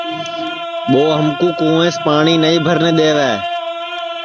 ٻو ہمکُو کُونٚویس پاٹؔی نائی بھرن دے وے